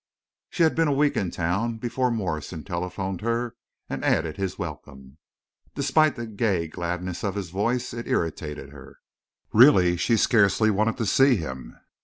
She had been a week in town before Morrison telephoned her and added his welcome. Despite the gay gladness of his voice, it irritated her. Really, she scarcely wanted to see him.